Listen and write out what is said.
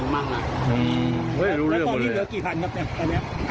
แล้วก็อันนี้เหลือกี่พันครับ